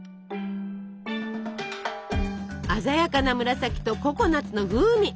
鮮やかな紫とココナツの風味。